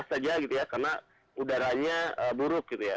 dandaranya di mana saja gitu ya karena udaranya buruk gitu ya